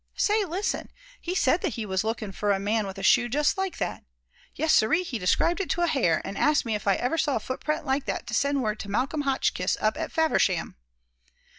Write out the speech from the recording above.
Say, listen, he said that he was lookin' for a man with a shoe just like that! Yes, siree, he described it to a hair, and asked me if ever I saw a footprint like that to send word to Malcolm Hotchkiss up at Faversham!"